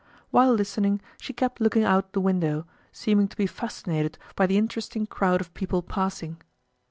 While listening, she kept looking out the window, seeming to be fascinated by the interesting crowd of people passing.